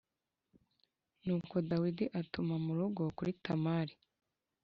Nuko Dawidi atuma mu rugo kuri Tamari